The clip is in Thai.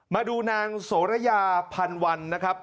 มาดูนางโสระยาพันวันนะครับ